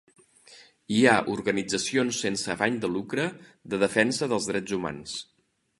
Hi ha organitzacions sense afany de lucre de defensa dels drets humans.